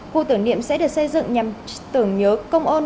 khu tưởng niệm sẽ được xây dựng nhằm tưởng nhớ công ơn